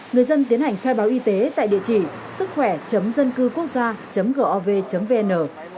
người dân tiến hành khai báo y tế tại địa chỉ sứckhỏe dân cư quốc gia gov vn